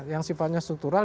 yang sifatnya struktural